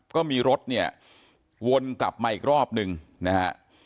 ก็มีรถเนี่ยวนกลับมาอีกรอบนึงนะฮะ